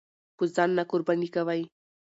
به ځان نه قرباني کوئ!